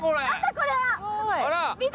これは。